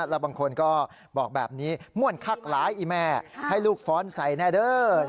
แล้วบางคนก็บอกแบบนี้ม่วนคักหลายอีแม่ให้ลูกฟ้อนใส่แน่เด้อ